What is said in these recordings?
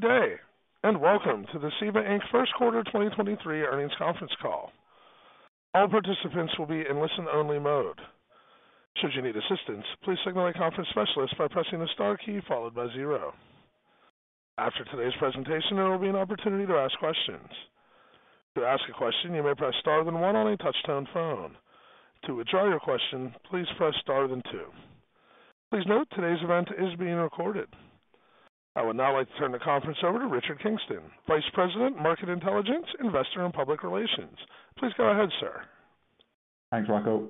Good day. Welcome to the CEVA, Inc. First Quarter 2023 Earnings Conference Call. All participants will be in listen-only mode. Should you need assistance, please signal a conference specialist by pressing the star key followed by zero. After today's presentation, there will be an opportunity to ask questions. To ask a question, you may press star then one on a touchtone phone. To withdraw your question, please press star then two. Please note today's event is being recorded. I would now like to turn the conference over to Richard Kingston, Vice President, Market Intelligence, Investor and Public Relations. Please go ahead, sir. Thanks, Rocco.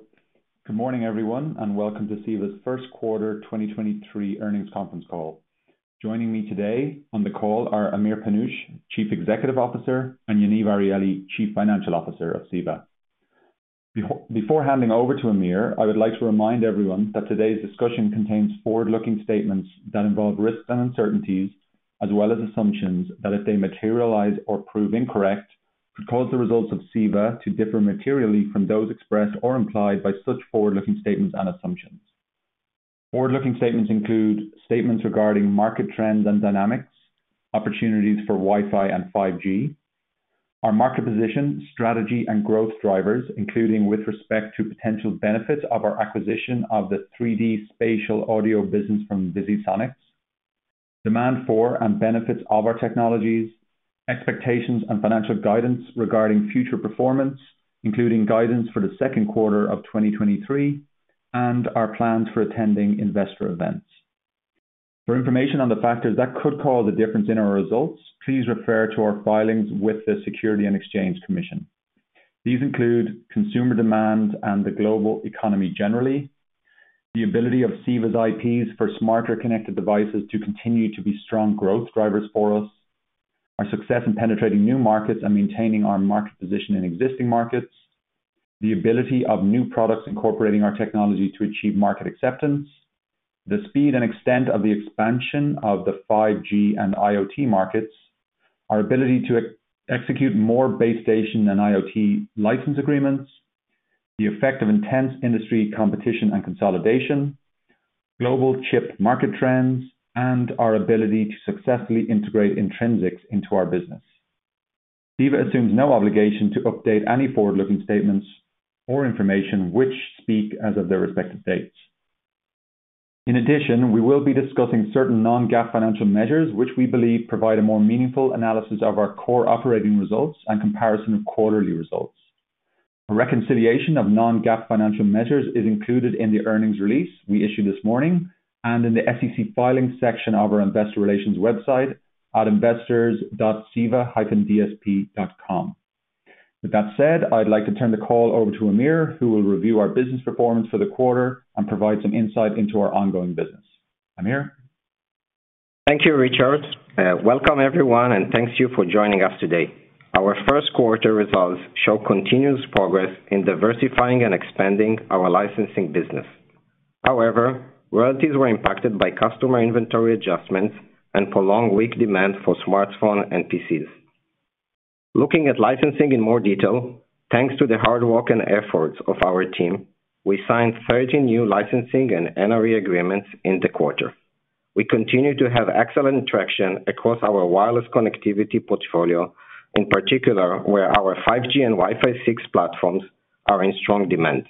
Good morning, everyone, and welcome to CEVA's first quarter 2023 earnings conference call. Joining me today on the call are Amir Panush, Chief Executive Officer, and Yaniv Arieli, Chief Financial Officer of CEVA. Before handing over to Amir, I would like to remind everyone that today's discussion contains forward-looking statements that involve risks and uncertainties, as well as assumptions that if they materialize or prove incorrect, could cause the results of CEVA to differ materially from those expressed or implied by such forward-looking statements and assumptions. Forward-looking statements include statements regarding market trends and dynamics, opportunities for Wi-Fi and 5G, our market position, strategy, and growth drivers, including with respect to potential benefits of our acquisition of the 3D Spatial Audio business from VisiSonics, demand for and benefits of our technologies, expectations and financial guidance regarding future performance, including guidance for the second quarter of 2023, and our plans for attending investor events. For information on the factors that could cause a difference in our results, please refer to our filings with the Securities and Exchange Commission. These include consumer demand and the global economy generally, the ability of CEVA's IPs for smarter connected devices to continue to be strong growth drivers for us, our success in penetrating new markets and maintaining our market position in existing markets, the ability of new products incorporating our technology to achieve market acceptance, the speed and extent of the expansion of the 5G and IoT markets, our ability to execute more base station and IoT license agreements, the effect of intense industry competition and consolidation, global chip market trends, and our ability to successfully integrate Intrinsix into our business. CEVA assumes no obligation to update any forward-looking statements or information which speak as of their respective dates. In addition, we will be discussing certain non-GAAP financial measures, which we believe provide a more meaningful analysis of our core operating results and comparison of quarterly results. A reconciliation of non-GAAP financial measures is included in the earnings release we issued this morning and in the SEC filings section of our investor relations website at investors.ceva-dsp.com. With that said, I'd like to turn the call over to Amir, who will review our business performance for the quarter and provide some insight into our ongoing business. Amir? Thank you, Richard. Welcome everyone, thanks to you for joining us today. Our first quarter results show continuous progress in diversifying and expanding our licensing business. Royalties were impacted by customer inventory adjustments and prolonged weak demand for smartphone and PCs. Looking at licensing in more detail, thanks to the hard work and efforts of our team, we signed 13 new licensing and NRE agreements in the quarter. We continue to have excellent traction across our wireless connectivity portfolio, in particular, where our 5G and Wi-Fi 6 platforms are in strong demand.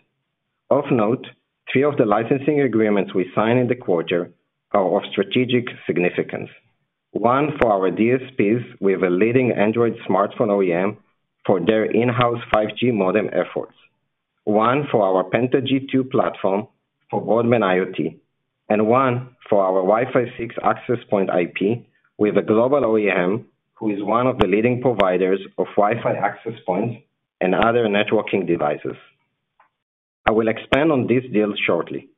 Of note, three of the licensing agreements we signed in the quarter are of strategic significance. One for our DSPs with a leading Android smartphone OEM for their in-house 5G modem efforts, one for our PentaG2 platform for Broadband IoT, and one for our Wi-Fi 6 access point IP with a Global OEM who is one of the leading providers of Wi-Fi access points and other networking devices. I will expand on this deal shortly.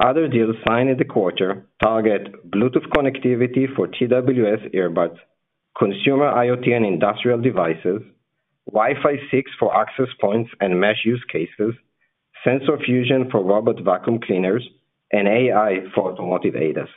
Other deals signed in the quarter target Bluetooth connectivity for TWS earbuds, consumer IoT and industrial devices, Wi-Fi 6 for access points and mesh use cases, sensor fusion for robot vacuum cleaners, and AI for automotive ADAS.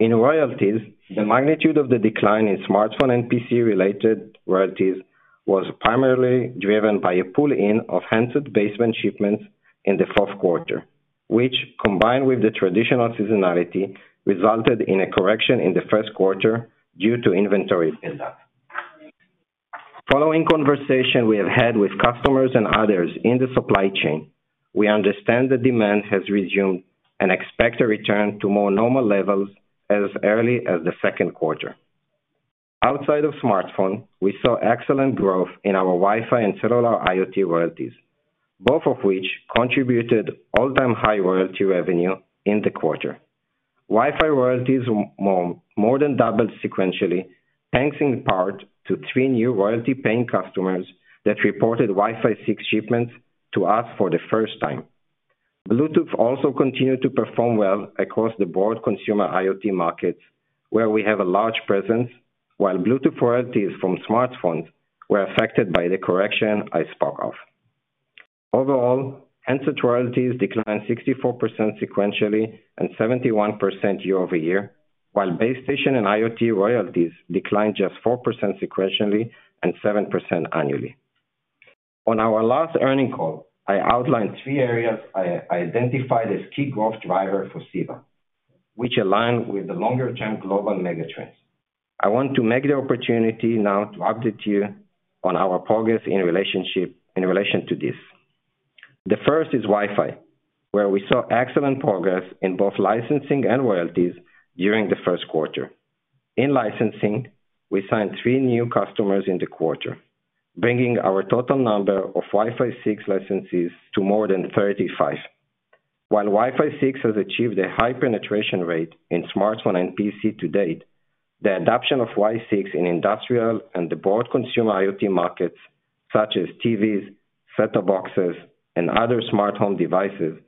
In royalties, the magnitude of the decline in smartphone and PC related royalties was primarily driven by a pull-in of handset baseband shipments in the fourth quarter, which, combined with the traditional seasonality, resulted in a correction in the first quarter due to inventory build-up. Following conversation we have had with customers and others in the supply chain, we understand the demand has resumed and expect a return to more normal levels as early as the second quarter. Outside of smartphone, we saw excellent growth in our Wi-Fi and cellular IoT royalties, both of which contributed all-time high royalty revenue in the quarter. Wi-Fi royalties more than doubled sequentially, thanks in part to three new royalty paying customers that reported Wi-Fi 6 shipments to us for the first time. Bluetooth also continued to perform well across the broad consumer IoT markets, where we have a large presence, while Bluetooth royalties from smartphones were affected by the correction I spoke of. Overall, handset royalties declined 64% sequentially and 71% year-over-year, while base station and IoT royalties declined just 4% sequentially and 7% annually. On our last earnings call, I outlined three areas I identified as key growth driver for CEVA, which align with the longer-term global mega-trends. I want to make the opportunity now to update you on our progress in relation to this. The first is Wi-Fi, where we saw excellent progress in both licensing and royalties during the first quarter. In licensing, we signed three new customers in the quarter, bringing our total number of Wi-Fi 6 licensees to more than 35. While Wi-Fi 6 has achieved a high penetration rate in smartphone and PC to date, the adoption of Wi-Fi 6 in industrial and the broad consumer IoT markets such as TVs, set-top boxes, and other smart home devices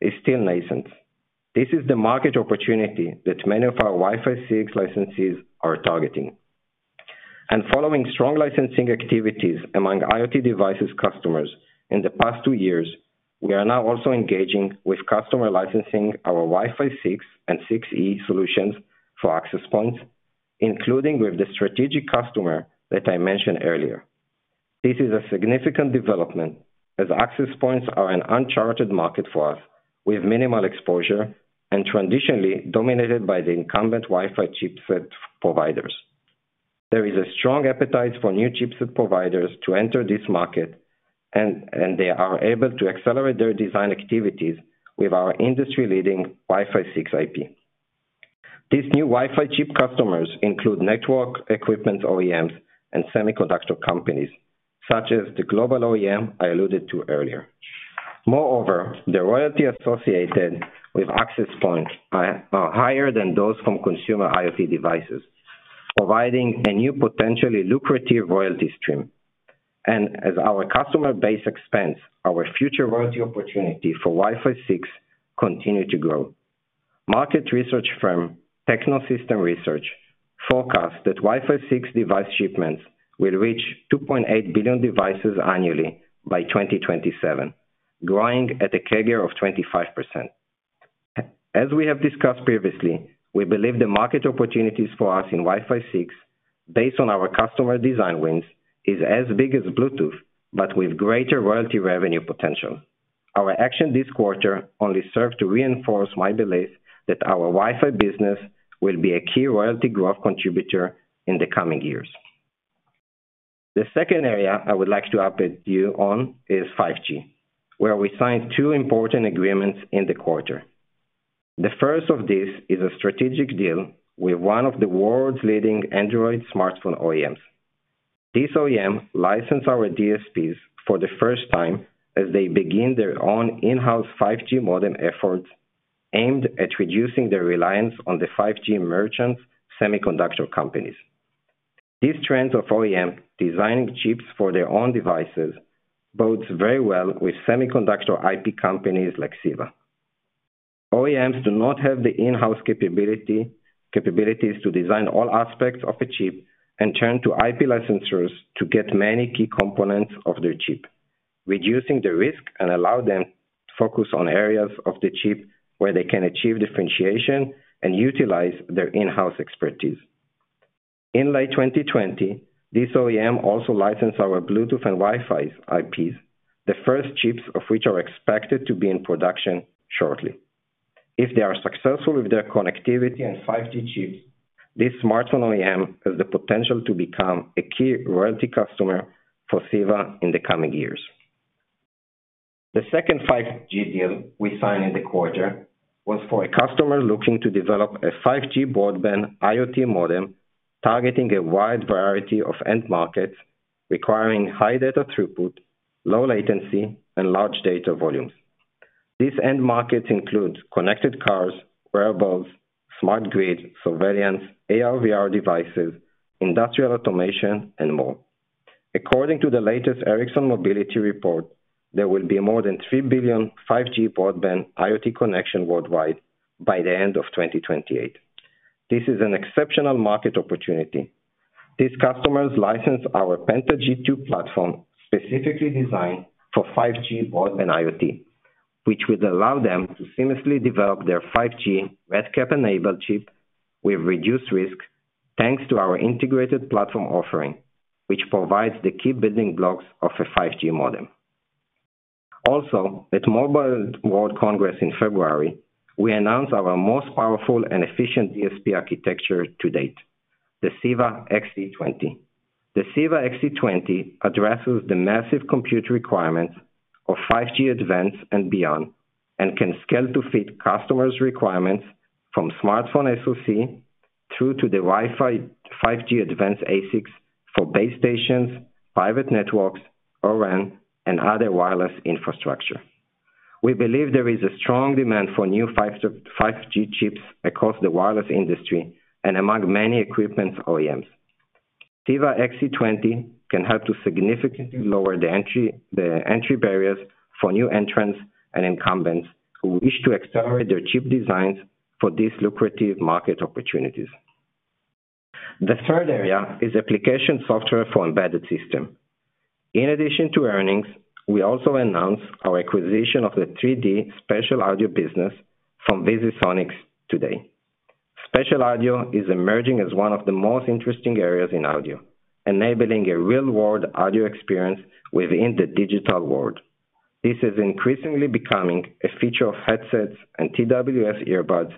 is still nascent. This is the market opportunity that many of our Wi-Fi 6 licensees are targeting. Following strong licensing activities among IoT devices customers in the past two years, we are now also engaging with customer licensing our Wi-Fi 6 and 6E solutions for access points, including with the strategic customer that I mentioned earlier. This is a significant development as access points are an uncharted market for us with minimal exposure and traditionally dominated by the incumbent Wi-Fi chipset providers. There is a strong appetite for new chipset providers to enter this market and they are able to accelerate their design activities with our industry-leading Wi-Fi 6 IP. These new Wi-Fi chip customers include network equipment OEMs and semiconductor companies such as the Global OEM I alluded to earlier. Moreover, the royalty associated with access points are higher than those from consumer IoT devices, providing a new potentially lucrative royalty stream. As our customer base expands, our future royalty opportunity for Wi-Fi 6 continue to grow. Market research firm Techno Systems Research forecast that Wi-Fi 6 device shipments will reach 2.8 billion devices annually by 2027, growing at a CAGR of 25%. As we have discussed previously, we believe the market opportunities for us in Wi-Fi 6 based on our customer design wins is as big as Bluetooth, but with greater royalty revenue potential. Our action this quarter only serve to reinforce my belief that our Wi-Fi business will be a key royalty growth contributor in the coming years. The second area I would like to update you on is 5G, where we signed two important agreements in the quarter. The first of this is a strategic deal with one of the world's leading Android smartphone OEMs. This OEM licensed our DSPs for the first time as they begin their own in-house 5G modem efforts aimed at reducing their reliance on the 5G merchant semiconductor companies. This trend of OEM designing chips for their own devices bodes very well with semiconductor IP companies like CEVA. OEMs do not have the in-house capabilities to design all aspects of a chip and turn to IP licensors to get many key components of their chip, reducing the risk and allow them to focus on areas of the chip where they can achieve differentiation and utilize their in-house expertise. In late 2020, this OEM also licensed our Bluetooth and Wi-Fi IPs, the first chips of which are expected to be in production shortly. If they are successful with their connectivity and 5G chips, this smartphone OEM has the potential to become a key royalty customer for CEVA in the coming years. The second 5G deal we signed in the quarter was for a customer looking to develop a 5G Broadband IoT modem targeting a wide variety of end markets requiring high data throughput, low latency, and large data volumes. These end markets include connected cars, wearables, smart grid, surveillance, AR/VR devices, industrial automation, and more. According to the latest Ericsson Mobility Report, there will be more than three billion 5G Broadband IoT connection worldwide by the end of 2028. This is an exceptional market opportunity. These customers license our PentaG2 platform specifically designed for 5G Broadband IoT, which would allow them to seamlessly develop their 5G RedCap-enabled chip with reduced risk thanks to our integrated platform offering, which provides the key building blocks of a 5G modem. Also, at Mobile World Congress in February, we announced our most powerful and efficient DSP architecture to date, the CEVA-XC20. The CEVA-XC20 addresses the massive compute requirements of 5G Advanced and beyond and can scale to fit customers' requirements from smartphone SoC through to the Wi-Fi 5G Advanced ASICs for base stations, private networks, O-RAN, and other wireless infrastructure. We believe there is a strong demand for new 5G chips across the wireless industry and among many equipment OEMs. CEVA-XC20 can help to significantly lower the entry barriers for new entrants and incumbents who wish to accelerate their chip designs for these lucrative market opportunities. The third area is application software for embedded system. In addition to earnings, we also announced our acquisition of the 3D spatial audio business from VisiSonics today. Spatial audio is emerging as one of the most interesting areas in audio, enabling a real-world audio experience within the digital world. This is increasingly becoming a feature of headsets and TWS earbuds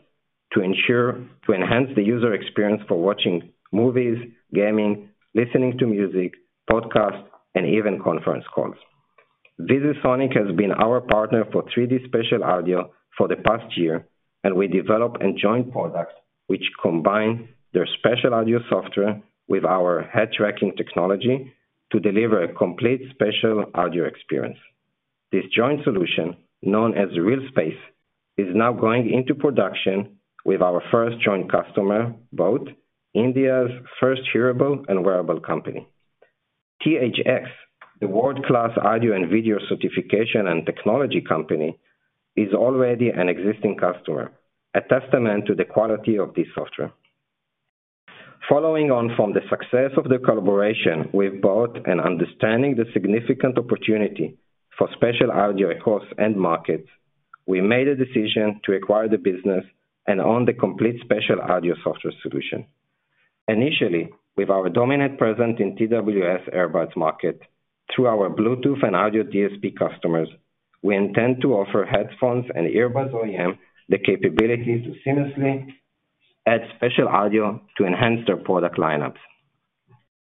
to enhance the user experience for watching movies, gaming, listening to music, podcasts, and even conference calls. VisiSonics has been our partner for 3D spatial audio for the past year, and we develop and joint products which combine their spatial audio software with our head tracking technology to deliver a complete spatial audio experience. This joint solution, known as the RealSpace, is now going into production with our first joint customer, boAt, India's first hearable and wearable company. THX, the world-class audio and video certification and technology company, is already an existing customer, a testament to the quality of this software. Following on from the success of the collaboration with boAt and understanding the significant opportunity for spatial audio across end markets, we made a decision to acquire the business and own the complete spatial audio software solution. Initially, with our dominant presence in TWS earbuds market through our Bluetooth and audio DSP customers, we intend to offer headphones and earbuds OEM the capability to seamlessly add spatial audio to enhance their product lineups.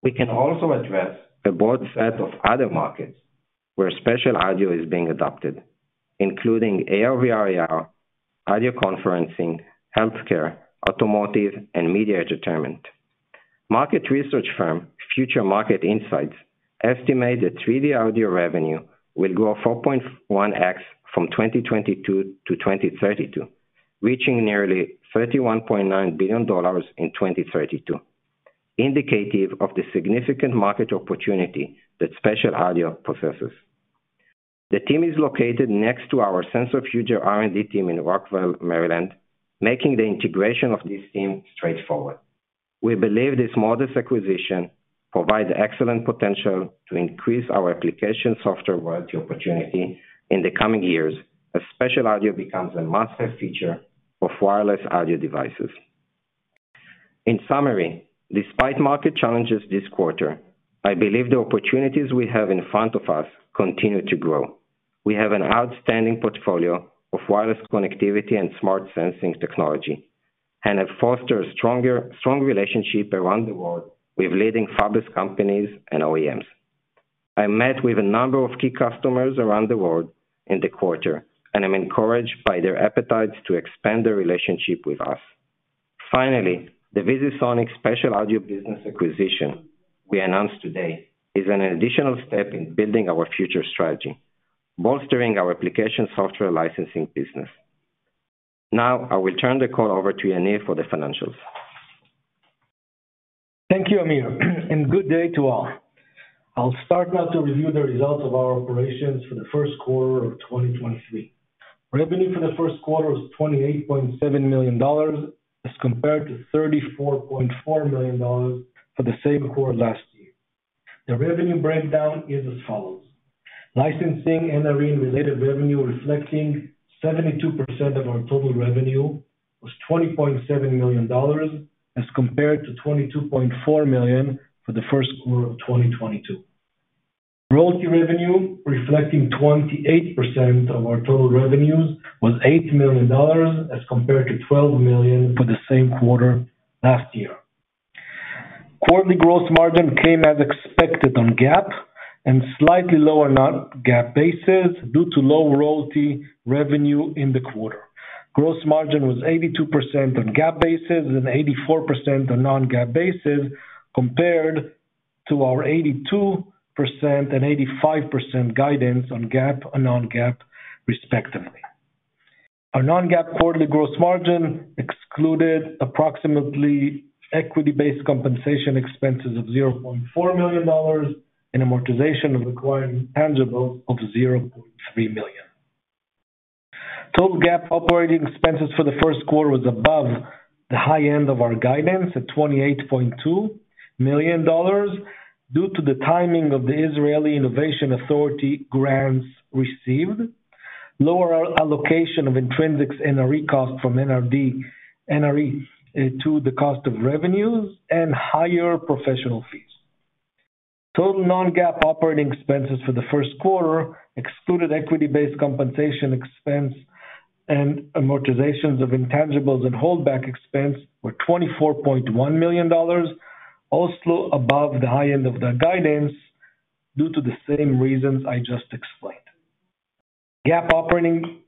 We can also address a broad set of other markets where spatial audio is being adopted, including AR/VR, audio conferencing, healthcare, automotive, and media entertainment. Market research firm Future Market Insights estimate that 3D audio revenue will grow 4.1x from 2022 to 2032, reaching nearly $31.9 billion in 2032, indicative of the significant market opportunity that spatial audio possesses. The team is located next to our sensor fusion R&D team in Rockville, Maryland, making the integration of this team straightforward. We believe this modest acquisition provides excellent potential to increase our application software royalty opportunity in the coming years as spatial audio becomes a master feature of wireless audio devices. In summary, despite market challenges this quarter, I believe the opportunities we have in front of us continue to grow. We have an outstanding portfolio of wireless connectivity and smart sensing technology, and have fostered strong relationship around the world with leading fabless companies and OEMs. I met with a number of key customers around the world in the quarter, and I'm encouraged by their appetite to expand their relationship with us. Finally, the VisiSonics spatial audio business acquisition we announced today is an additional step in building our future strategy, bolstering our application software licensing business. Now I will turn the call over to Yaniv for the financials. Thank you, Amir, and good day to all. I'll start now to review the results of our operations for the first quarter of 2023. Revenue for the first quarter was $28.7 million as compared to $34.4 million for the same quarter last year. The revenue breakdown is as follows: Licensing and NRE-related revenue, reflecting 72% of our total revenue, was $20.7 million as compared to $22.4 million for the first quarter of 2022. Royalty revenue, reflecting 28% of our total revenues, was $8 million as compared to $12 million for the same quarter last year. Quarterly gross margin came as expected on GAAP and slightly lower on non-GAAP basis due to low royalty revenue in the quarter. Gross margin was 82% on GAAP basis and 84% on non-GAAP basis compared to our 82% and 85% guidance on GAAP and non-GAAP, respectively. Our non-GAAP quarterly gross margin excluded approximately equity-based compensation expenses of $0.4 million and amortization of acquired intangibles of $0.3 million. Total GAAP operating expenses for the first quarter was above the high end of our guidance at $28.2 million due to the timing of the Israel Innovation Authority grants received, lower allocation of Intrinsix NRE cost from NRE to the cost of revenues, and higher professional fees. Total non-GAAP operating expenses for the first quarter excluded equity-based compensation expense and amortizations of intangibles and holdback expense were $24.1 million, also above the high end of the guidance due to the same reasons I just explained. GAAP operating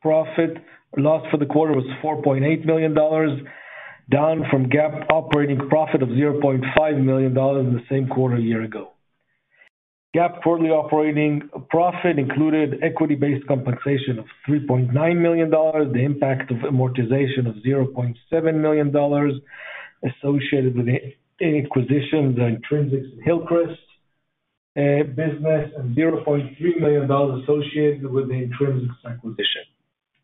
profit loss for the quarter was $4.8 million, down from GAAP operating profit of $0.5 million in the same quarter a year ago. GAAP quarterly operating profit included equity-based compensation of $3.9 million, the impact of amortization of $0.7 million associated with an acquisition, the Intrinsix and Hillcrest business, and $0.3 million associated with the Intrinsix acquisition.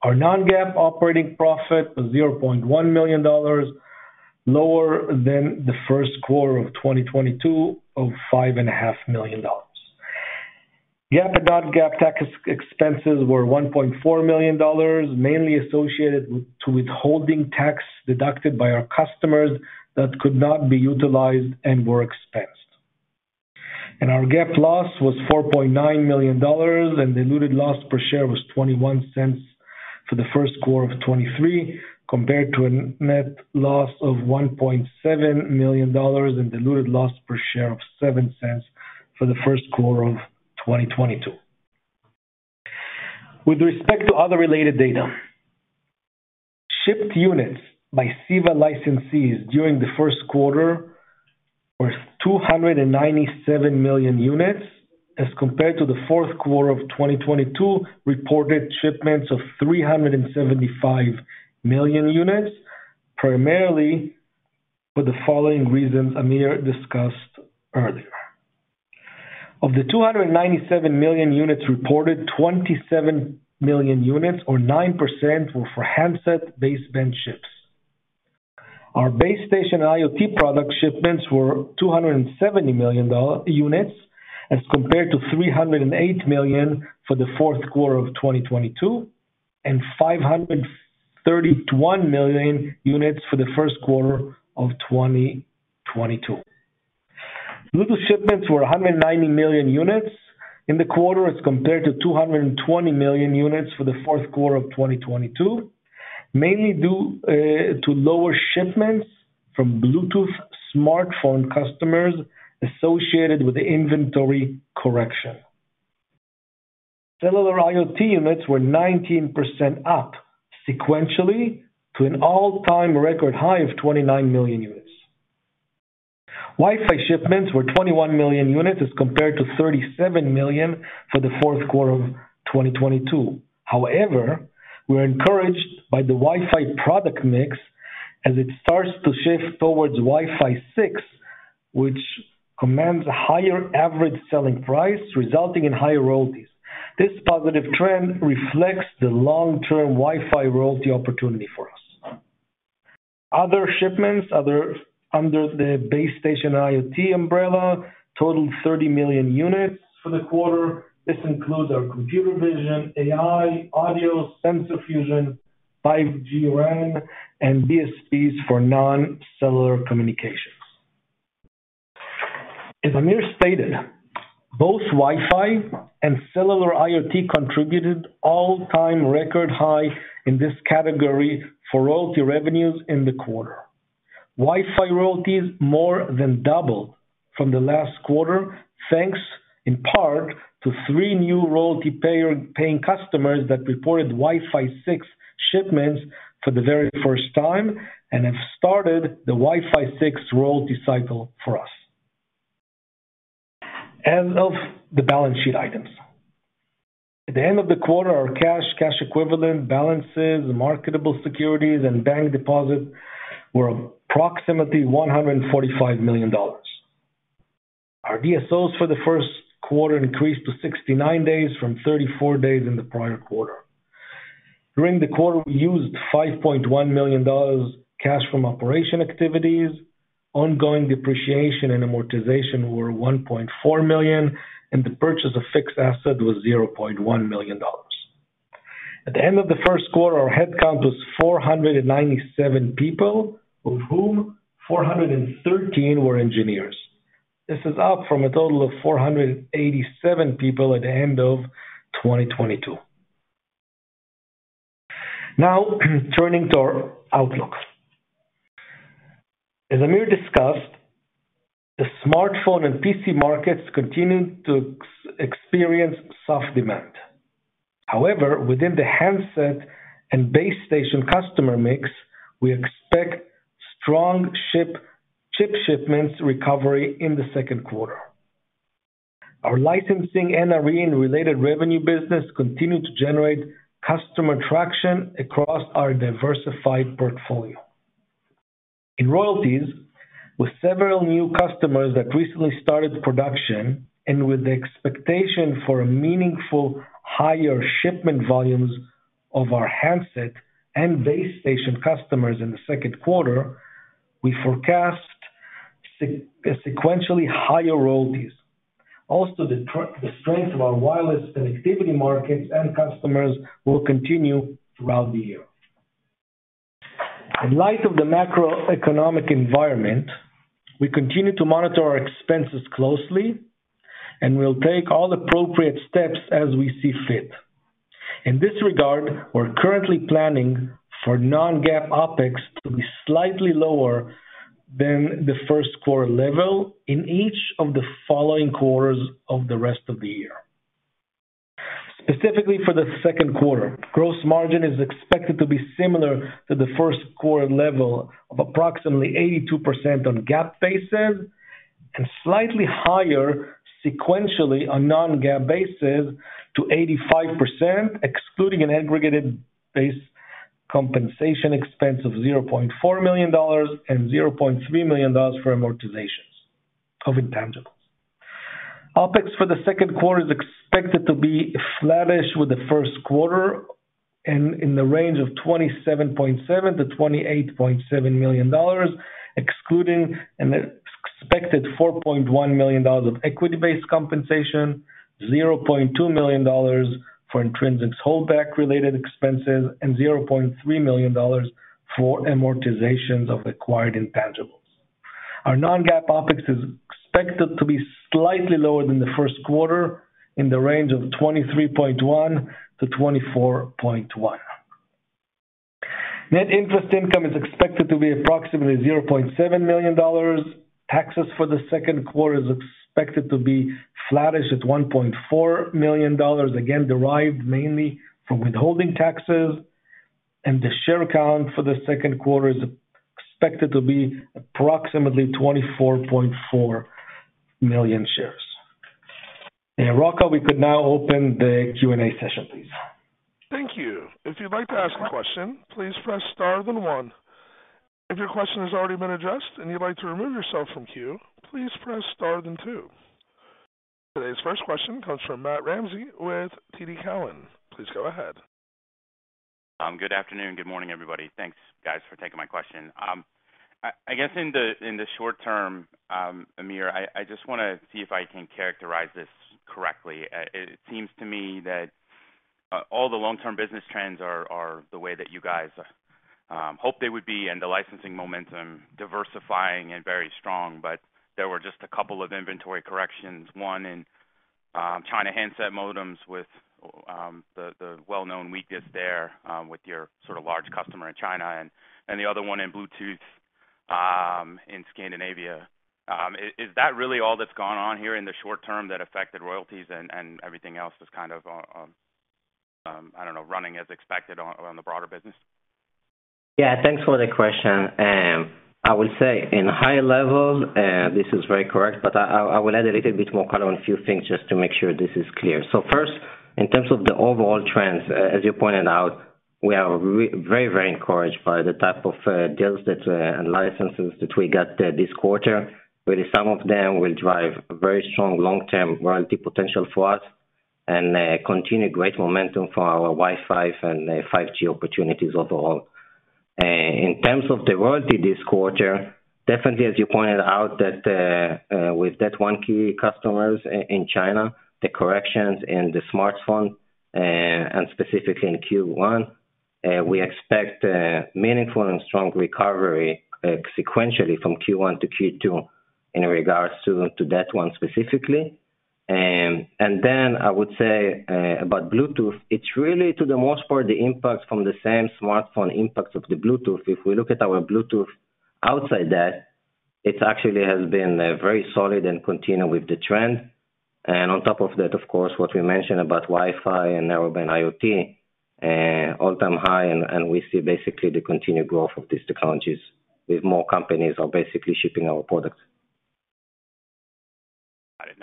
Our non-GAAP operating profit was $0.1 million, lower than the first quarter of 2022 of $5.5 million. GAAP tax expenses were $1.4 million, mainly associated to withholding tax deducted by our customers that could not be utilized and were expensed. Our GAAP loss was $4.9 million, and diluted loss per share was $0.21 for the first quarter of 2023, compared to a net loss of $1.7 million and diluted loss per share of $0.07 for the first quarter of 2022. With respect to other related data. Shipped units by CEVA licensees during the first quarter were 297 million units as compared to the fourth quarter of 2022 reported shipments of 375 million units, primarily for the following reasons Amir discussed earlier. Of the 297 million units reported, 27 million units or 9% were for handset baseband chips. Our base station IoT product shipments were 270 million units as compared to 308 million for the fourth quarter of 2022 and 531 million units for the first quarter of 2022. Bluetooth shipments were 190 million units in the quarter as compared to 220 million units for the fourth quarter of 2022, mainly due to lower shipments from Bluetooth smartphone customers associated with the inventory correction. Cellular IoT units were 19% up sequentially to an all-time record high of 29 million units. Wi-Fi shipments were 21 million units as compared to 37 million for the fourth quarter of 2022. We're encouraged by the Wi-Fi product mix as it starts to shift towards Wi-Fi 6, which commands a higher average selling price, resulting in higher royalties. This positive trend reflects the long-term Wi-Fi royalty opportunity for us. Other shipments under the base station IoT umbrella totaled 30 million units for the quarter. This includes our computer vision, AI, audio, sensor fusion, 5G RAN, and DSPs for non-cellular communications. As Amir stated, both Wi-Fi and cellular IoT contributed all-time record high in this category for royalty revenues in the quarter. Wi-Fi royalties more than doubled from the last quarter, thanks in part to three new royalty paying customers that reported Wi-Fi 6 shipments for the very first time and have started the Wi-Fi 6 royalty cycle for us. Of the balance sheet items. At the end of the quarter, our cash equivalent, balances, marketable securities, and bank deposits were approximately $145 million. Our DSOs for the first quarter increased to 69 days from 34 days in the prior quarter. During the quarter, we used $5.1 million cash from operation activities. Ongoing depreciation and amortization were $1.4 million, and the purchase of fixed asset was $0.1 million. At the end of the first quarter, our headcount was 497 people, of whom 413 were engineers. This is up from a total of 487 people at the end of 2022. Turning to our outlook. As Amir Panush discussed, the smartphone and PC markets continue to experience soft demand. However, within the handset and base station customer mix, we expect strong chip shipments recovery in the second quarter. Our licensing and NRE-related revenue business continue to generate customer traction across our diversified portfolio. In royalties, with several new customers that recently started production and with the expectation for a meaningful higher shipment volumes of our handset and base station customers in the second quarter, we forecast sequentially higher royalties. The strength of our wireless connectivity markets and customers will continue throughout the year. In light of the macroeconomic environment, we continue to monitor our expenses closely, and we'll take all appropriate steps as we see fit. In this regard, we're currently planning for non-GAAP OpEx to be slightly lower than the first quarter level in each of the following quarters of the rest of the year. Specifically for the second quarter, gross margin is expected to be similar to the first quarter level of approximately 82% on GAAP basis and slightly higher sequentially on non-GAAP basis to 85%, excluding an aggregated base compensation expense of $0.4 million and $0.3 million for amortizations of intangibles. OpEx for the second quarter is expected to be flattish with the first quarter. In the range of $27.7 million-$28.7 million, excluding an expected $4.1 million of equity-based compensation, $0.2 million for Intrinsix holdback related expenses, and $0.3 million for amortizations of acquired intangibles. Our non-GAAP OpEx is expected to be slightly lower than the first quarter in the range of $23.1 million-$24.1 million. Net interest income is expected to be approximately $0.7 million. Taxes for the second quarter is expected to be flattish at $1.4 million, again derived mainly from withholding taxes. The share count for the second quarter is expected to be approximately 24.4 million shares. Rocco, we could now open the Q&A session, please. Thank you. If you'd like to ask a question, please press Star then one. If your question has already been addressed and you'd like to remove yourself from queue, please press Star then two. Today's first question comes from Matt Ramsay with TD Cowen. Please go ahead. Good afternoon. Good morning, everybody. Thanks, guys, for taking my question. I guess in the, in the short term, Amir Panush, I just want to see if I can characterize this correctly. It seems to me that all the long-term business trends are the way that you guys hope they would be, and the licensing momentum diversifying and very strong. There were just a couple of inventory corrections, one in China handset modems with the well-known weakness there, with your sort of large customer in China and the other one in Bluetooth in Scandinavia. Is that really all that's gone on here in the short term that affected royalties and everything else is kind of, I don't know, running as expected on the broader business? Thanks for the question. I would say in high level, this is very correct, but I will add a little bit more color on a few things just to make sure this is clear. First, in terms of the overall trends, as you pointed out, we are very encouraged by the type of deals that and licenses that we got this quarter. Really some of them will drive very strong long-term royalty potential for us and continued great momentum for our Wi-Fi and 5G opportunities overall. In terms of the royalty this quarter, definitely as you pointed out that, with that one key customers in China, the corrections in the smartphone, and specifically in Q1, we expect a meaningful and strong recovery sequentially from Q1 to Q2 in regards to that one specifically. Then I would say about Bluetooth, it's really to the most part, the impact from the same smartphone impact of the Bluetooth. If we look at our Bluetooth outside that, it actually has been very solid and continue with the trend. On top of that, of course, what we mentioned about Wi-Fi and Narrowband IoT, all-time high, and we see basically the continued growth of these two technologies with more companies are basically shipping our products.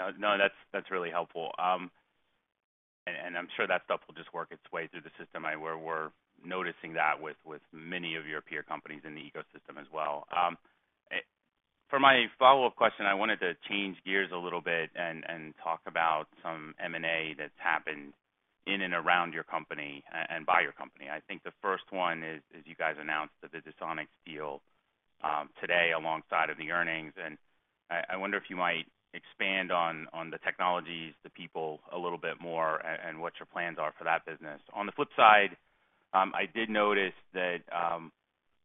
Got it. No, no, that's really helpful. I'm sure that stuff will just work its way through the system. We're noticing that with many of your peer companies in the ecosystem as well. For my follow-up question, I wanted to change gears a little bit and talk about some M&A that's happened in and around your company and by your company. I think the first one is you guys announced the VisiSonics deal today alongside of the earnings. I wonder if you might expand on the technologies, the people a little bit more and what your plans are for that business. On the flip side, I did notice that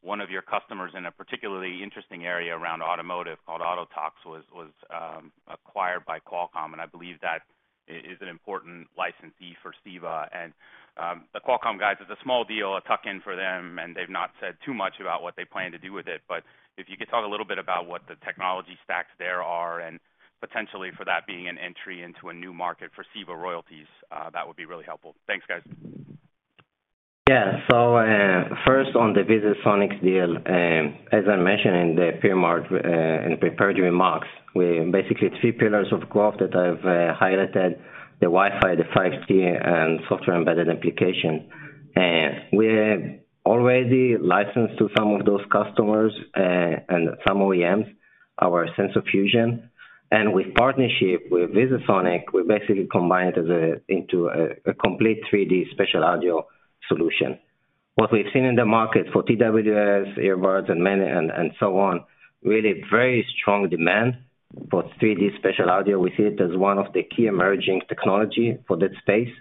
one of your customers in a particularly interesting area around automotive called Autotalks was acquired by Qualcomm, and I believe that is an important licensee for CEVA. The Qualcomm guys, it's a small deal, a tuck in for them, and they've not said too much about what they plan to do with it. If you could talk a little bit about what the technology stacks there are and potentially for that being an entry into a new market for CEVA royalties, that would be really helpful. Thanks, guys. Yeah. First on the VisiSonics deal, as I mentioned in prepared remarks, we basically three pillars of growth that I've highlighted, the Wi-Fi, the 5G, and software-embedded application. We have already licensed to some of those customers, and some OEMs, our sensor fusion. With partnership with VisiSonics, we basically combined into a complete 3D spatial audio solution. What we've seen in the market for TWS earbuds and many and so on, really very strong demand for 3D spatial audio. We see it as one of the key emerging technology for that space.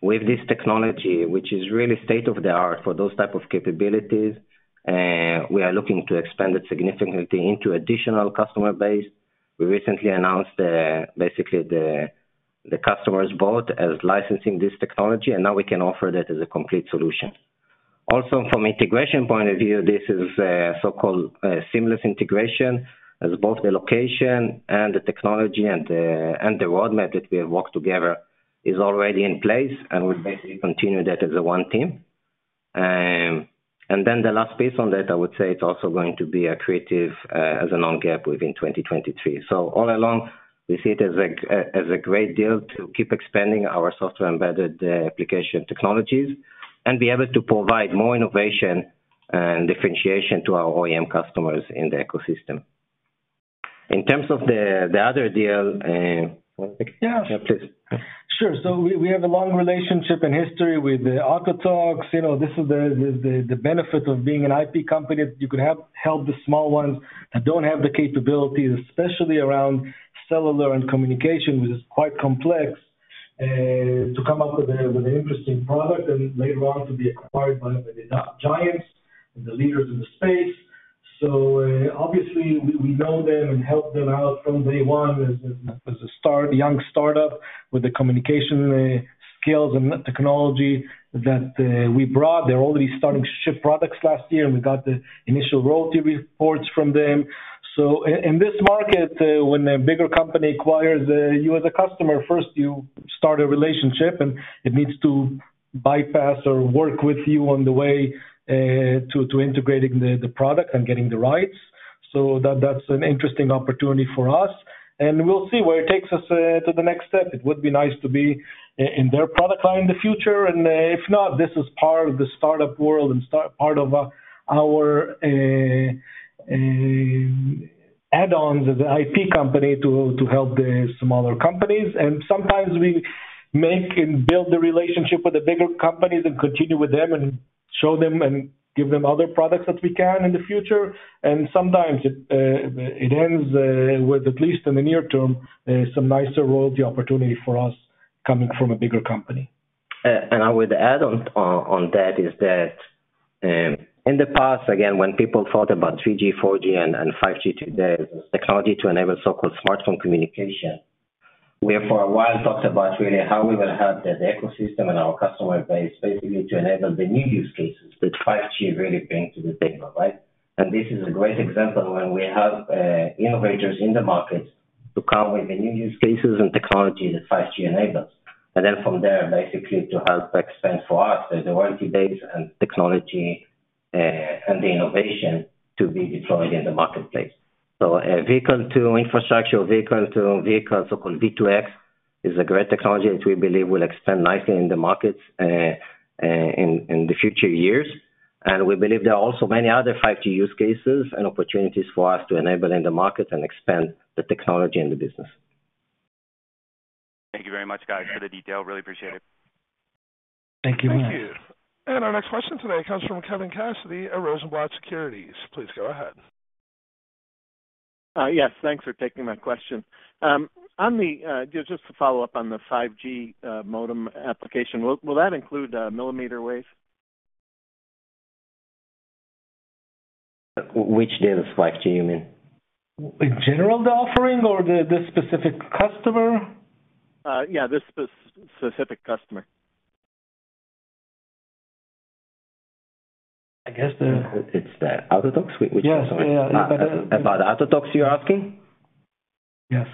With this technology, which is really state of the art for those type of capabilities, we are looking to expand it significantly into additional customer base. We recently announced, basically the customers bought as licensing this technology, and now we can offer that as a complete solution. Also, from integration point of view, this is a so-called, seamless integration as both the location and the technology and the roadmap that we have worked together is already in place, and we basically continue that as a one team. The last piece on that, I would say it's also going to be accretive, as a non-GAAP within 2023. All along, we see it as a great deal to keep expanding our software-embedded, application technologies and be able to provide more innovation and differentiation to our OEM customers in the ecosystem. In terms of the other deal, Yeah. Yeah, please. Sure. We have a long relationship and history with Autotalks. You know, this is the benefit of being an IP company, you could have helped the small ones that don't have the capabilities, especially around cellular and communication, which is quite complex, to come up with an interesting product and later on to be acquired by the giants and the leaders in the space. Obviously we know them and helped them out from day one as a start, young startup with the communication skills and technology that we brought. They're already starting to ship products last year, and we got the initial royalty reports from them. In this market, when a bigger company acquires you as a customer, first you start a relationship, and it needs to bypass or work with you on the way to integrating the product and getting the rights. That's an interesting opportunity for us, and we'll see where it takes us to the next step. It would be nice to be in their product line in the future. If not, this is part of the startup world and part of our add-ons as IP company to help the smaller companies. Sometimes we make and build the relationship with the bigger companies and continue with them and show them and give them other products that we can in the future. Sometimes it ends with at least in the near term, some nicer royalty opportunity for us coming from a bigger company. I would add on that is that, in the past, again, when people thought about 3G, 4G and 5G, the technology to enable so-called smartphone communication, we have for a while talked about really how we will have the ecosystem and our customer base basically to enable the new use cases that 5G really bring to the table, right? This is a great example when we have innovators in the market to come with the new use cases and technologies that 5G enables. From there basically to help expand for us the warranty base and technology and the innovation to be deployed in the marketplace. Vehicle to infrastructure, vehicle to vehicle, so-called V2X, is a great technology which we believe will expand nicely in the markets in the future years. We believe there are also many other 5G use cases and opportunities for us to enable in the market and expand the technology and the business. Thank you very much, guys, for the detail. Really appreciate it. Thank you. Thank you. Our next question today comes from Kevin Cassidy at Rosenblatt Securities. Please go ahead. Yes, thanks for taking my question. On the, just to follow up on the 5G modem application, will that include mmWave? Which data spike do you mean? In general, the offering or the specific customer? Yeah, the specific customer. I guess the- It's the Autotalks? Yes. About Autotalks you're asking? Yes,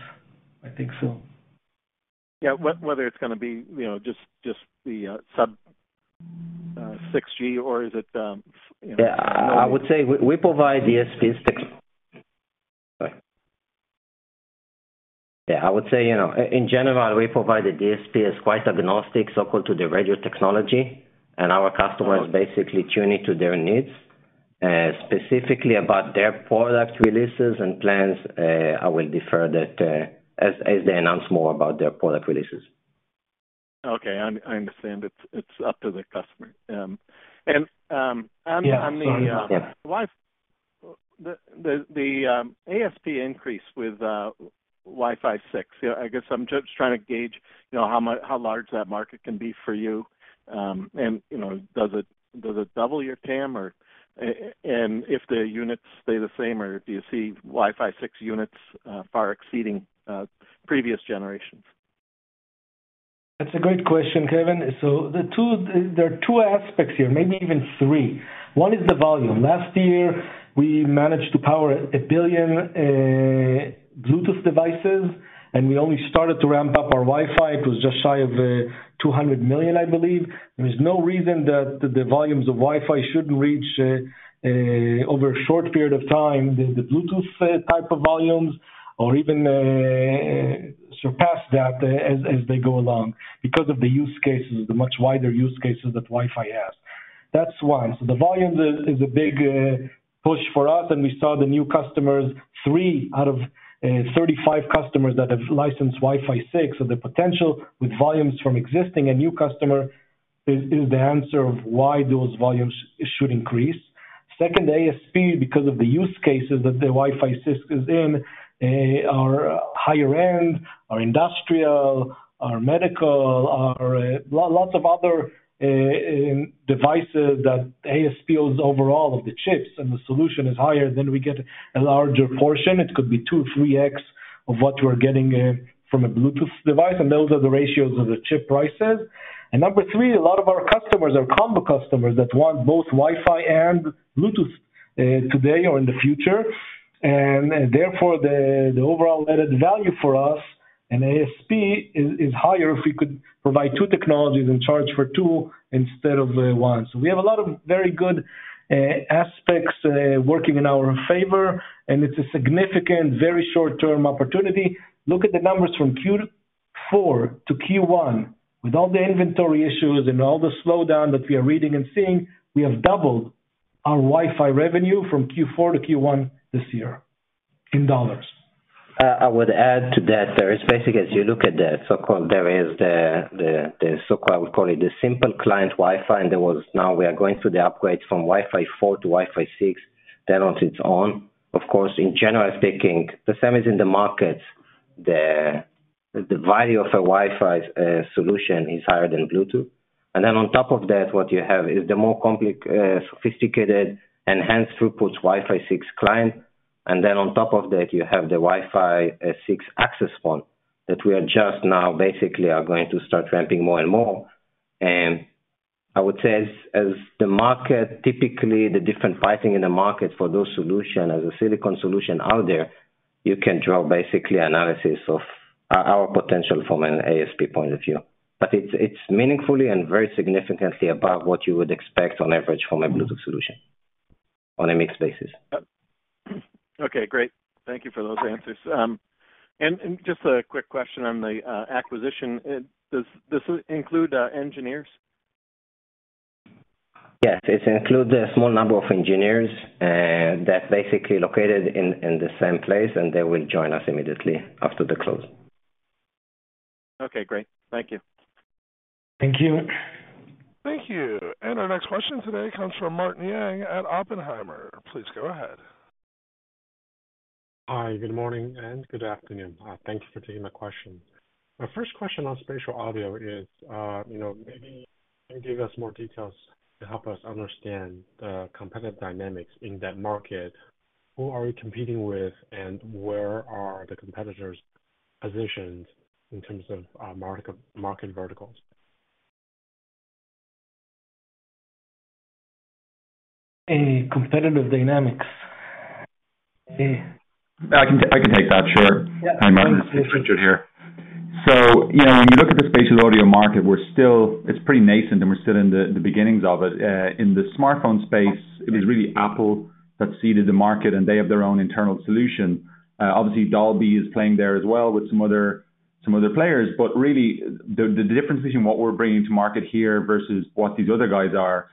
I think so. Whether it's gonna be, you know, just the sub 6G or is it, you know... I would say, you know, in general, we provide the DSP as quite agnostic, so-called to the radio technology, and our customers basically tune it to their needs. Specifically about their product releases and plans, I will defer that as they announce more about their product releases. Okay. I understand. It's up to the customer. And on the. Yes. Wi-Fi. The ASP increase with Wi-Fi 6. You know, I guess I'm just trying to gauge, you know, how large that market can be for you. You know, does it double your TAM or, and if the units stay the same or do you see Wi-Fi 6 units far exceeding previous generations? That's a great question, Kevin. There are two aspects here, maybe even three. One is the volume. Last year, we managed to power one billion Bluetooth devices, and we only started to ramp up our Wi-Fi. It was just shy of 200 million, I believe. There is no reason that the volumes of Wi-Fi shouldn't reach over a short period of time, the Bluetooth type of volumes or even surpass that as they go along because of the use cases, the much wider use cases that Wi-Fi has. That's one. The volume is a big push for us, and we saw the new customers, three out of 35 customers that have licensed Wi-Fi 6. The potential with volumes from existing and new customer is the answer of why those volumes should increase. Second, ASP, because of the use cases that the Wi-Fi 6 is in, are higher end, are industrial, are medical, are lots of other devices that ASPs overall of the chips and the solution is higher, then we get a larger portion. It could be two-3x of what you are getting from a Bluetooth device, and those are the ratios of the chip prices. Number three, a lot of our customers are combo customers that want both Wi-Fi and Bluetooth today or in the future. Therefore, the overall added value for us and ASP is higher if we could provide two technologies and charge for two instead of one. We have a lot of very good aspects working in our favor, and it's a significant, very short-term opportunity. Look at the numbers from Q4 to Q1. With all the inventory issues and all the slowdown that we are reading and seeing, we have doubled our Wi-Fi revenue from Q4 to Q1 this year in $. I would add to that, there is basically, as you look at that, so-called, there is the so-called, we call it the simple client Wi-Fi. There was now we are going through the upgrades from Wi-Fi 4 to Wi-Fi 6. That on its own, of course, in general, speaking, the same as in the market, the value of a Wi-Fi solution is higher than Bluetooth. On top of that, what you have is the more sophisticated enhanced throughput Wi-Fi 6 client. On top of that, you have the Wi-Fi 6 access point that we are just now basically are going to start ramping more and more. I would say as the market, typically the different pricing in the market for those solution as a silicon solution out there, you can draw basically analysis of our potential from an ASP point of view. It's meaningfully and very significantly above what you would expect on average from a Bluetooth solution on a mixed basis. Okay, great. Thank you for those answers. Just a quick question on the acquisition. Does this include engineers? Yes. It includes a small number of engineers, that basically located in the same place, and they will join us immediately after the close. Okay, great. Thank you. Thank you. Thank you. Our next question today comes from Martin Yang at Oppenheimer. Please go ahead. Hi. Good morning and good afternoon. Thank you for taking my question. My first question on spatial audio is, you know, maybe can you give us more details to help us understand the competitive dynamics in that market? Who are we competing with, and where are the competitors positioned in terms of, market verticals? A competitive dynamics. I can take that. Sure. Hi, Martin. It's Richard here. You know, when you look at the spatial audio market, it's pretty nascent, and we're still in the beginnings of it. In the smartphone space, it was really Apple that seeded the market, and they have their own internal solution. Obviously Dolby is playing there as well with some other players. Really, the difference between what we're bringing to market here versus what these other guys are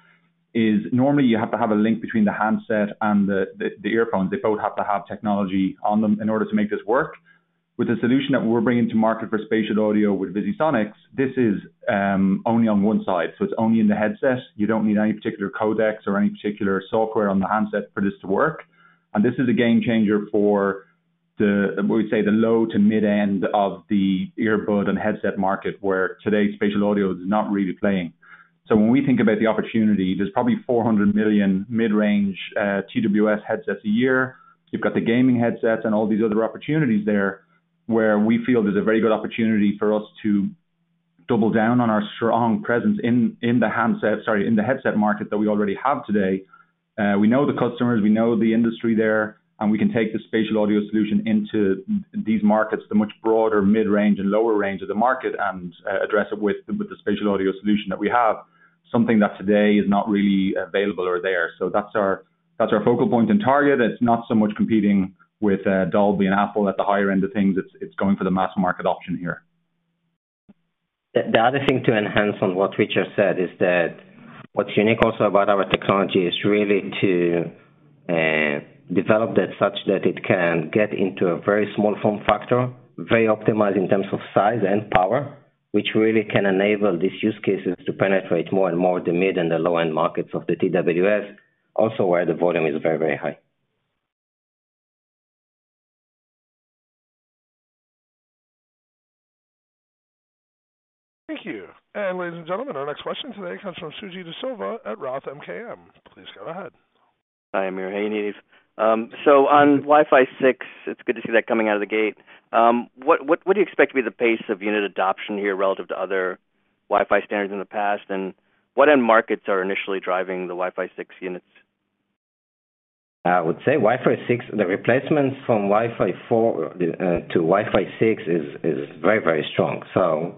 is normally you have to have a link between the handset and the earphones. They both have to have technology on them in order to make this work. With the solution that we're bringing to market for spatial audio with VisiSonics, this is only on one side, so it's only in the headset. You don't need any particular codecs or any particular software on the handset for this to work. This is a game changer for the, we would say, the low to mid-end of the earbud and headset market, where today spatial audio is not really playing. When we think about the opportunity, there's probably 400 million mid-range TWS headsets a year. You've got the gaming headsets and all these other opportunities there where we feel there's a very good opportunity for us to double down on our strong presence in the headset market that we already have today. We know the customers, we know the industry there, and we can take the spatial audio solution into these markets, the much broader mid-range and lower range of the market, and address it with the spatial audio solution that we have. Something that today is not really available or there. That's our focal point and target. It's not so much competing with Dolby and Apple at the higher end of things. It's going for the mass market option here. The other thing to enhance on what Richard said is that what's unique also about our technology is really to develop that such that it can get into a very small form factor, very optimized in terms of size and power, which really can enable these use cases to penetrate more and more the mid and the low-end markets of the TWS also where the volume is very high. Thank you. Ladies and gentlemen, our next question today comes from Suji Desilva at Roth MKM. Please go ahead. Hi, Amir. Hey, Yaniv. On Wi-Fi 6, it's good to see that coming out of the gate. What do you expect to be the pace of unit adoption here relative to other Wi-Fi standards in the past? What end markets are initially driving the Wi-Fi 6 units? I would say Wi-Fi 6, the replacement from Wi-Fi 4 to Wi-Fi 6 is very, very strong.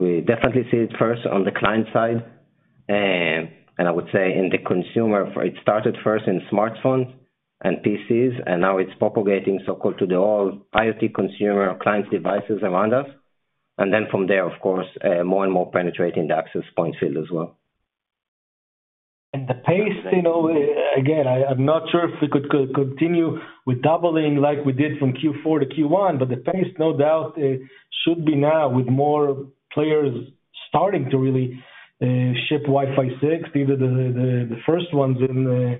We definitely see it first on the client side. I would say in the consumer, it started first in smartphones and PCs, and now it's propagating so-called to the all IoT consumer client devices around us. Then from there, of course, more and more penetrating the access point field as well. The pace, you know, again, I'm not sure if we could continue with doubling like we did from Q4 to Q1, but the pace, no doubt, it should be now with more players starting to really ship Wi-Fi 6. These are the first ones in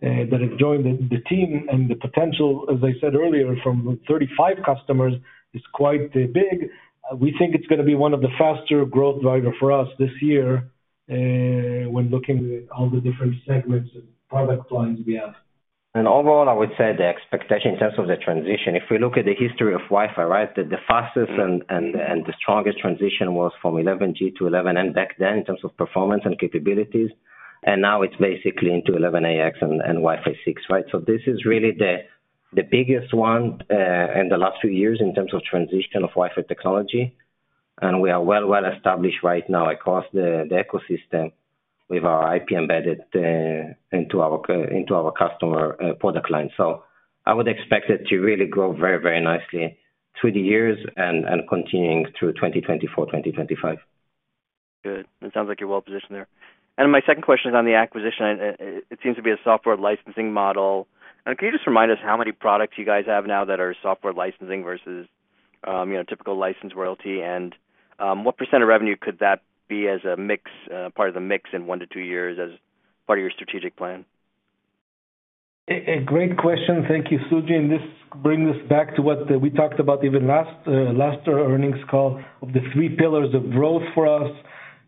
that have joined the team. The potential, as I said earlier, from 35 customers is quite big. We think it's gonna be one of the faster growth driver for us this year when looking at all the different segments and product lines we have. Overall, I would say the expectation in terms of the transition, if we look at the history of Wi-Fi, right? The fastest and the strongest transition was from 11g to 11n back then in terms of performance and capabilities. Now it's basically into 11ax and Wi-Fi 6, right? This is really the biggest one in the last few years in terms of transition of Wi-Fi technology. We are well established right now across the ecosystem. With our IP embedded, into our customer, product line. I would expect it to really grow very, very nicely through the years and continuing through 2024, 2025. Good. It sounds like you're well-positioned there. My second question is on the acquisition. It seems to be a software licensing model. Can you just remind us how many products you guys have now that are software licensing versus, you know, typical license royalty? What % of revenue could that be as a mix, part of the mix in one to two years as part of your strategic plan? A great question. Thank you, Suji. This brings us back to what we talked about even last earnings call of the three pillars of growth for us.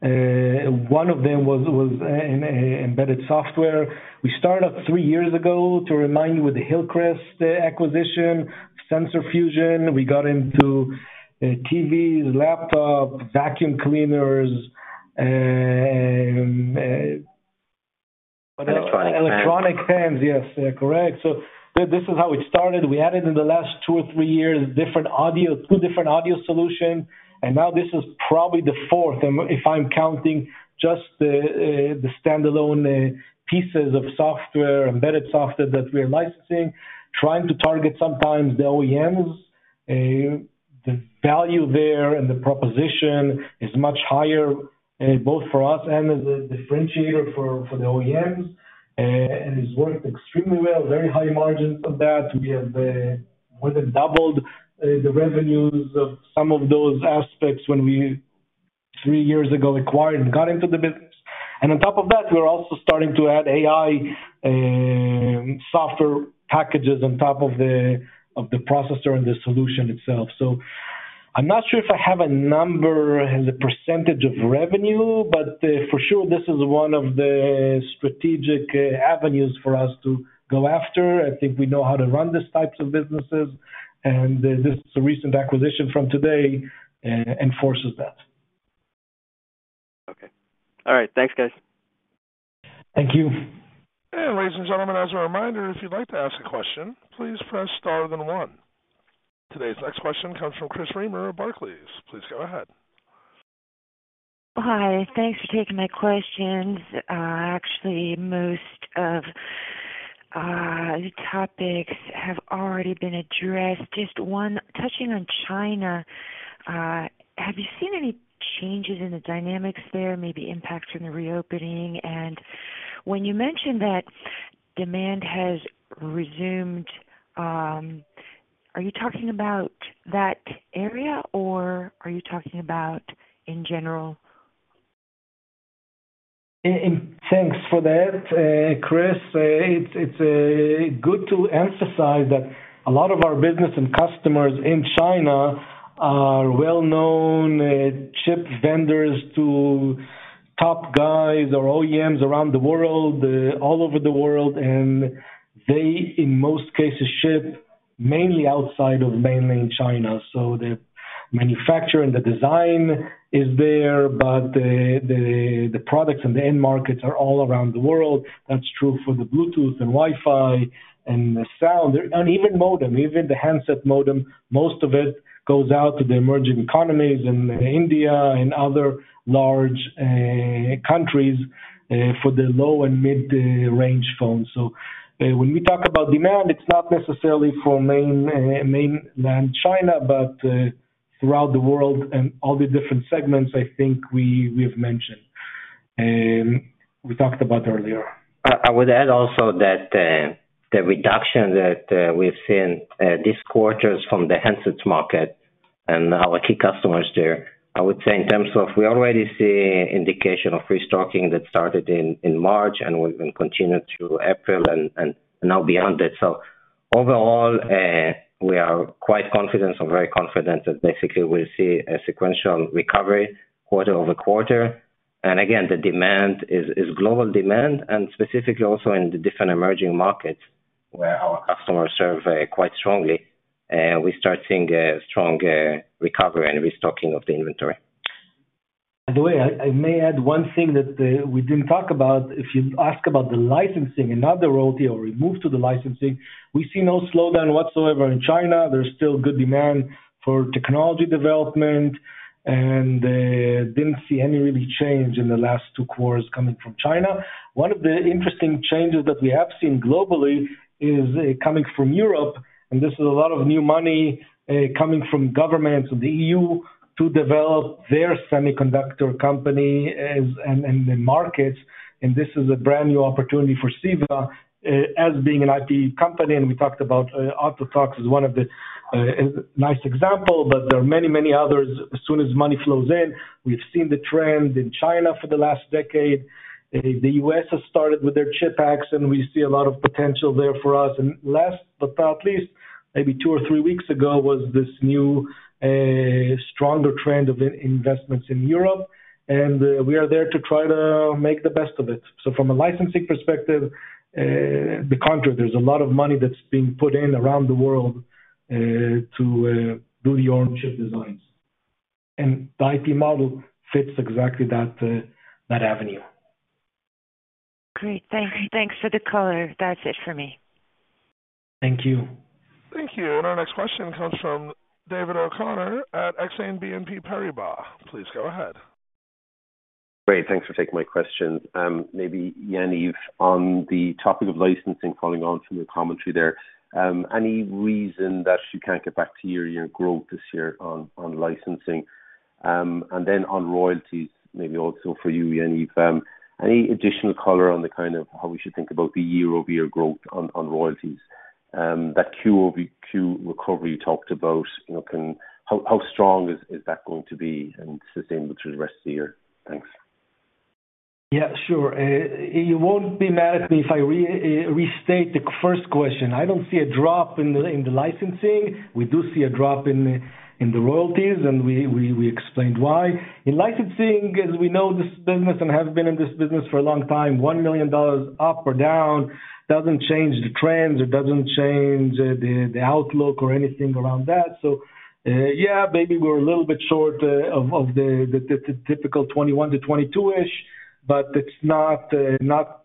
One of them was an embedded software. We started three years ago, to remind you, with the Hillcrest acquisition, sensor fusion. We got into TVs, laptops, vacuum cleaners. Electronic fans. Electronic fans. Yes, correct. This is how it started. We added in the last two or three years, different audio, two different audio solution, now this is probably the fourth. If I'm counting just the standalone pieces of software, embedded software that we are licensing, trying to target sometimes the OEMs. The value there and the proposition is much higher, both for us and as a differentiator for the OEMs, and it's worked extremely well. Very high margins of that. We have more than doubled the revenues of some of those aspects when we three years ago acquired and got into the business. On top of that, we are also starting to add AI software packages on top of the processor and the solution itself. I'm not sure if I have a number as a % of revenue, but, for sure, this is one of the strategic avenues for us to go after. I think we know how to run these types of businesses, and this recent acquisition from today, enforces that. Okay. All right. Thanks, guys. Thank you. Ladies and gentlemen, as a reminder, if you'd like to ask a question, please press Star then one. Today's next question comes from Chris Reimer of Barclays. Please go ahead. Hi. Thanks for taking my questions. Actually, most of the topics have already been addressed. Just one, touching on China, have you seen any changes in the dynamics there, maybe impacts from the reopening? When you mentioned that demand has resumed, are you talking about that area or are you talking about in general? Thanks for that, Chris. It's good to emphasize that a lot of our business and customers in China are well-known chip vendors to top guys or OEMs around the world, all over the world. They, in most cases, ship mainly outside of mainland China. The manufacturing, the design is there, but the products and the end markets are all around the world. That's true for the Bluetooth and Wi-Fi and the sound and even modem, even the handset modem. Most of it goes out to the emerging economies in India and other large countries for the low and mid-range phones. When we talk about demand, it's not necessarily for mainland China, but throughout the world and all the different segments I think we've mentioned we talked about earlier. I would add also that the reduction that we've seen these quarters from the handsets market and our key customers there, I would say in terms of we already see indication of restocking that started in March and will continue through April and now beyond it. Overall, we are quite confident or very confident that basically we'll see a sequential recovery quarter-over-quarter. Again, the demand is global demand and specifically also in the different emerging markets where our customers serve quite strongly. We start seeing a strong recovery and restocking of the inventory. I may add one thing that we didn't talk about. If you ask about the licensing and not the royalty or remove to the licensing, we see no slowdown whatsoever in China. There's still good demand for technology development, didn't see any really change in the last two quarters coming from China. One of the interesting changes that we have seen globally is coming from Europe, this is a lot of new money coming from governments of the EU to develop their semiconductor company and the markets. This is a brand new opportunity for CEVA as being an IP company. We talked about Autotalks as one of the nice example, there are many, many others. As soon as money flows in, we've seen the trend in China for the last decade. The US has started with their CHIPS Act, and we see a lot of potential there for us. Last but not least, maybe two or three weeks ago was this new, stronger trend of investments in Europe, and we are there to try to make the best of it. From a licensing perspective, the contrary, there's a lot of money that's being put in around the world, to do the Arm chip designs. The IP model fits exactly that avenue. Great. Thanks for the color. That's it for me. Thank you. Thank you. Our next question comes from David O'Connor at BNP Paribas Exane. Please go ahead. Great. Thanks for taking my questions. Maybe, Yaniv, on the topic of licensing, following on from your commentary there, any reason that you can't get back to year-over-year growth this year on licensing? Then on royalties, maybe also for you, Yaniv, any additional color on the kind of how we should think about the year-over-year growth on royalties, that quarter-over-quarter recovery you talked about, you know, How strong is that going to be and sustainable through the rest of the year? Thanks. Yeah, sure. You won't be mad at me if I restate the first question. I don't see a drop in the licensing. We do see a drop in the royalties, and we explained why. In licensing, as we know this business and have been in this business for a long time, $1 million up or down doesn't change the trends. It doesn't change the outlook or anything around that. Yeah, maybe we're a little bit short of the typical 21 to 22-ish, but it's not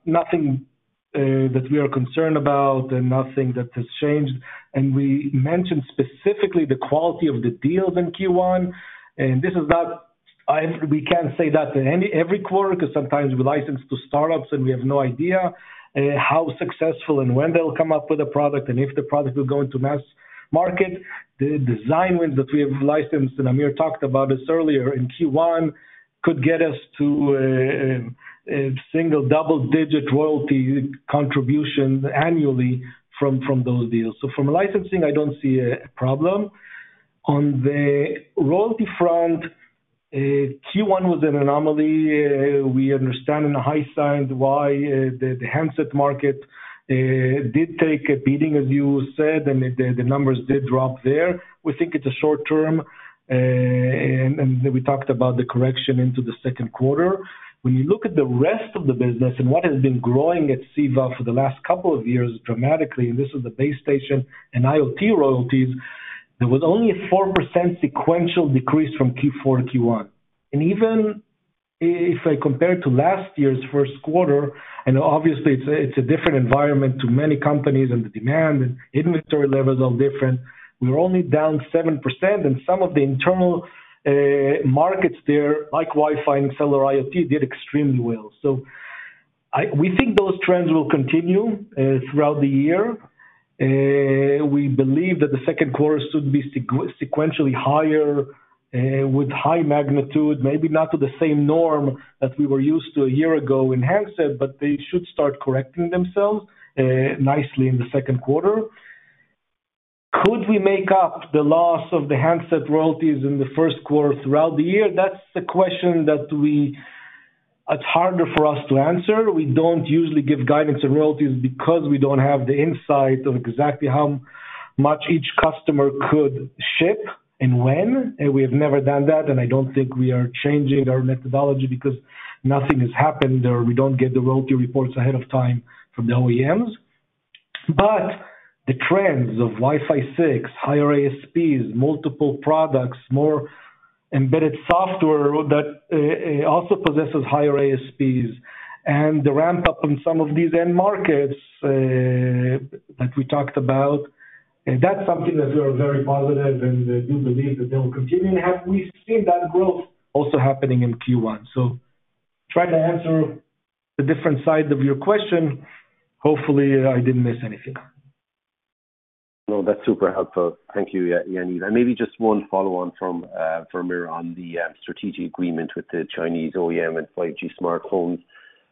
nothing that we are concerned about and nothing that has changed. We mentioned specifically the quality of the deals in Q1, and this is not... We can't say that in any every quarter 'cause sometimes we license to startups, and we have no idea how successful and when they'll come up with a product and if the product will go into mass market. The design wins that we have licensed, and Amir talked about this earlier, in Q1 could get us to a single double-digit royalty contribution annually from those deals. From licensing, I don't see a problem. On the royalty front, Q1 was an anomaly. We understand in the high side why the handset market did take a beating, as you said, and the numbers did drop there. We think it's a short term. We talked about the correction into the second quarter. When you look at the rest of the business and what has been growing at CEVA for the last couple of years dramatically, this is the base station and IoT royalties, there was only a 4% sequential decrease from Q4 to Q1. Even if I compare to last year's first quarter, and obviously it's a different environment to many companies and the demand and inventory levels are different, we're only down 7%. Some of the internal markets there, like Wi-Fi and cellular IoT, did extremely well. We think those trends will continue throughout the year. We believe that the second quarter should be sequentially higher with high magnitude, maybe not to the same norm that we were used to a year ago in handset, but they should start correcting themselves nicely in the second quarter. Could we make up the loss of the handset royalties in the first quarter throughout the year? That's the question. It's harder for us to answer. We don't usually give guidance on royalties because we don't have the insight of exactly how much each customer could ship and when. We have never done that. I don't think we are changing our methodology because nothing has happened, or we don't get the royalty reports ahead of time from the OEMs. The trends of Wi-Fi 6, higher ASPs, multiple products, more embedded software that also possesses higher ASPs and the ramp-up in some of these end markets that we talked about, that's something that we are very positive and do believe that they will continue. Have we seen that growth also happening in Q1? Try to answer the different sides of your question. Hopefully, I didn't miss anything. No, that's super helpful. Thank you, Yaniv. Maybe just one follow-on from Amir on the strategic agreement with the Chinese OEM and 5G smartphones.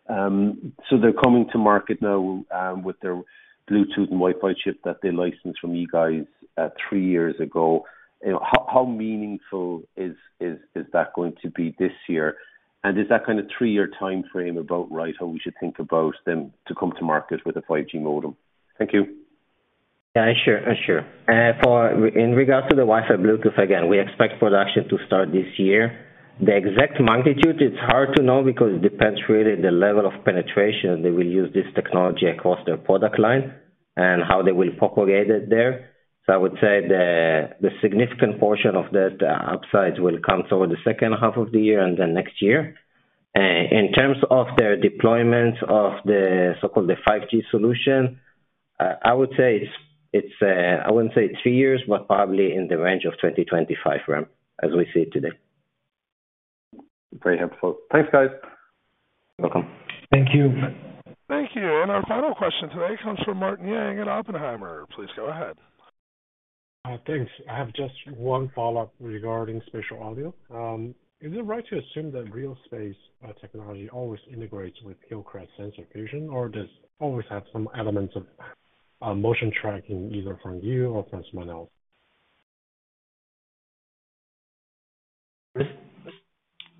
They're coming to market now with their Bluetooth and Wi-Fi chip that they licensed from you guys three years ago. You know, how meaningful is that going to be this year? Is that kind of three-year timeframe about right, how we should think about them to come to market with a 5G modem? Thank you. Yeah, sure. Sure. In regards to the Wi-Fi, Bluetooth, again, we expect production to start this year. The exact magnitude, it's hard to know because it depends really on the level of penetration they will use this technology across their product line and how they will propagate it there. I would say the significant portion of that upside will come over the second half of the year and then next year. In terms of their deployment of the so-called the 5G solution, I would say it's I wouldn't say two years, but probably in the range of 2025 ramp as we see it today. Very helpful. Thanks, guys. You're welcome. Thank you. Thank you. Our final question today comes from Martin Yang at Oppenheimer. Please go ahead. Thanks. I have just one follow-up regarding spatial audio. Is it right to assume that RealSpace technology always integrates with Hillcrest Sensor Fusion, or does it always have some elements of motion tracking either from you or from someone else?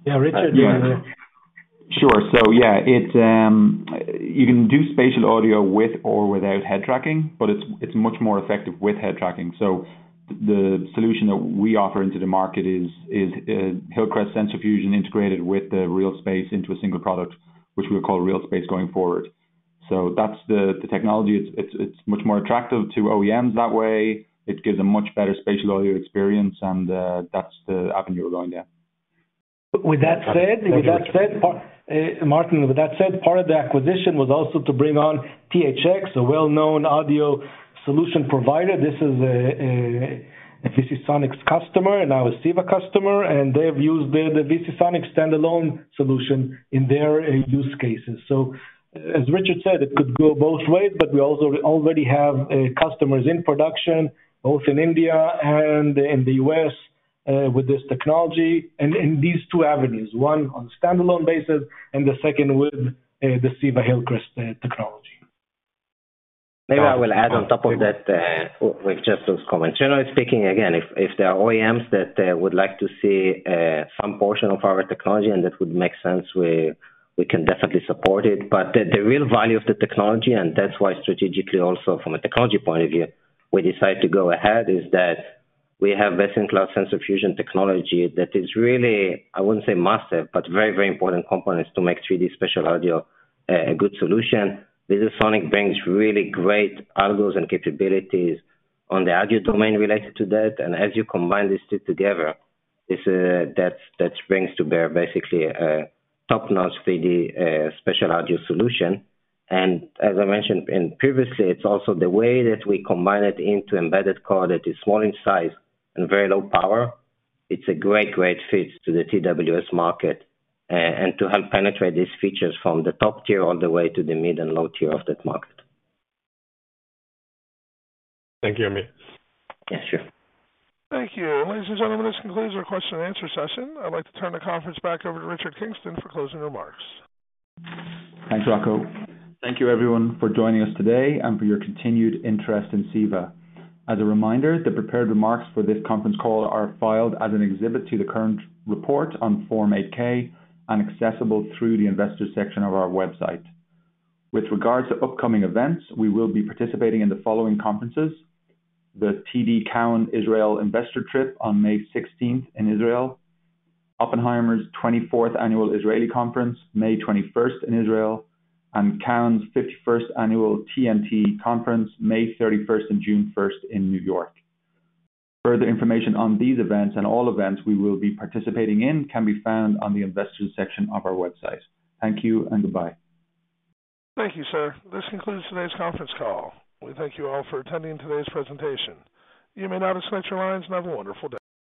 Yeah, Richard, do you wanna? Sure. Yeah, you can do spatial audio with or without head tracking, but it's much more effective with head tracking. The solution that we offer into the market is Hillcrest Sensor Fusion integrated with the RealSpace into a single product, which we'll call RealSpace going forward. That's the technology. It's much more attractive to OEMs that way. It gives a much better spatial audio experience, that's the avenue we're going down. With that said, Martin, with that said, part of the acquisition was also to bring on THX, a well-known audio solution provider. This is a VisiSonics customer, now a CEVA customer, and they've used the VisiSonics standalone solution in their use cases. As Richard said, it could go both ways, but we also already have customers in production, both in India and in the U.S., with this technology and in these two avenues, one on standalone basis and the second with the CEVA Hillcrest technology. Maybe I will add on top of that, with just those comments. Generally speaking, again, if there are OEMs that would like to see some portion of our technology and that would make sense, we can definitely support it. The real value of the technology, and that's why strategically also from a technology point of view, we decide to go ahead, is that we have best-in-class sensor fusion technology that is really, I wouldn't say massive, but very important components to make 3D spatial audio a good solution. VisiSonics brings really great algorithms and capabilities on the audio domain related to that. As you combine these two together, it's that brings to bear basically a top-notch 3D spatial audio solution. As I mentioned in previously, it's also the way that we combine it into embedded code that is small in size and very low power. It's a great fit to the TWS market, and to help penetrate these features from the top tier all the way to the mid and low tier of that market. Thank you, Amir. Yeah, sure. Thank you. Ladies and gentlemen, this concludes our question and answer session. I'd like to turn the conference back over to Richard Kingston for closing remarks. Thanks, Rocco. Thank you everyone for joining us today and for your continued interest in CEVA. As a reminder, the prepared remarks for this conference call are filed as an exhibit to the current report on Form 8-K and accessible through the investor section of our website. With regards to upcoming events, we will be participating in the following conferences: the TD Cowen Israel Investor trip on May 16th in Israel, Oppenheimer's 24th Annual Israeli Conference May 21st in Israel, and Cowen's 51st annual TMT conference May 31st and June 1st in New York. Further information on these events and all events we will be participating in can be found on the investor section of our website. Thank you and goodbye. Thank you, sir. This concludes today's conference call. We thank you all for attending today's presentation. You may now disconnect your lines and have a wonderful day.